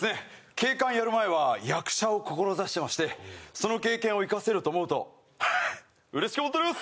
警官やる前は役者を志してましてその経験を生かせると思うと嬉しく思っております